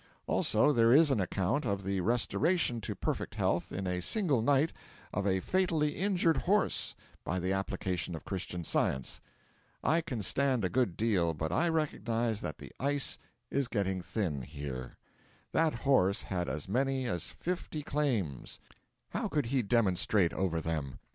Also there is an account of the restoration to perfect health, in a single night, of a fatally injured horse, by the application of Christian Science. I can stand a good deal, but I recognise that the ice is getting thin here. That horse had as many as fifty claims: how could he demonstrate over them?